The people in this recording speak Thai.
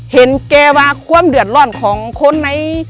เห็นแกว่าความเดือดร้อนของคนใน